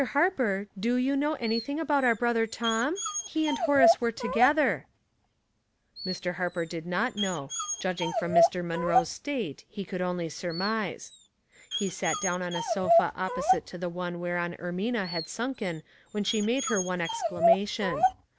Harper, do you know anything about our brother Tom ? He and Horace were to gether." Mr. Harper did not know, — judging from Mr. Munroe's state, he could only surmise. He sat down on a sofa opposite to the one whereon Er mina had sunken when she made her one excla mation.